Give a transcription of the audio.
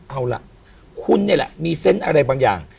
เอาล่ะคุณมีเซ็นต์อะไรบางอย่าง